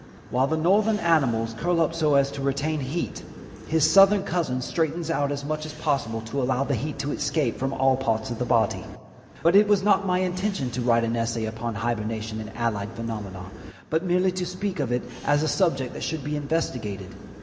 While the northern animals curl up so as to retain heat, his southern cousin straightens out as much as possible to allow the heat to escape from all parts of the body. But it was not my intention to write an essay upon hibernation and allied phenomena, but merely to speak of it as a subject that should be investigated.